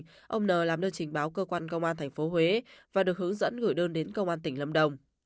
trước đó ông nờ làm đơn trình báo cơ quan công an thành phố huế và được hướng dẫn gửi đơn đến công an tỉnh lâm đồng